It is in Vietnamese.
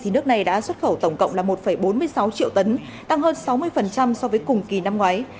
nước này đã xuất khẩu tổng cộng là một bốn mươi sáu triệu tấn tăng hơn sáu mươi so với cùng kỳ năm ngoái